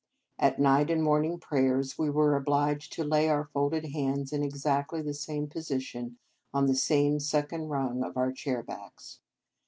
At night and morning prayers we were obliged to lay our folded hands in exactly the same position on the second rung of our chair backs.